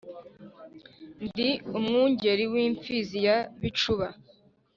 ndi umwungeri w’imfizi ya bicuba,